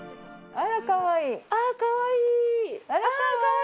あらかわいい。